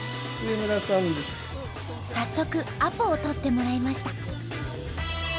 早速アポを取ってもらいました。